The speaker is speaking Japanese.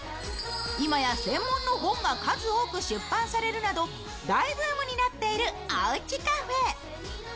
今や専門の本が数多く出版されるなど大ブームになっているおうちカフェ。